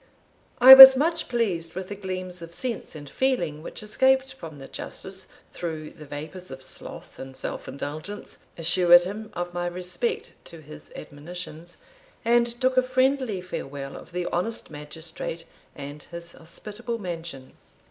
] I was much pleased with the gleams of sense and feeling which escaped from the Justice through the vapours of sloth and self indulgence, assured him of my respect to his admonitions, and took a friendly farewell of the honest magistrate and his hospitable mansion.